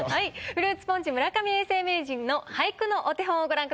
フルーツポンチ村上永世名人の俳句のお手本をご覧ください。